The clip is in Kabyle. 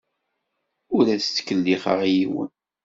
Ur as-ttkellixeɣ i yiwen.